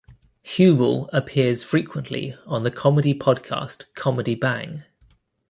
Huebel appears frequently on the comedy podcast Comedy Bang!